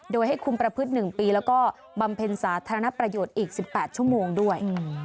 โดยให้คุมประพฤติ๑ปีแล้วก็บำเพ็ญสาธารณประโยชน์อีก๑๘ชั่วโมงด้วย